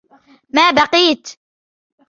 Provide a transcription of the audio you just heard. مَا بَقِيت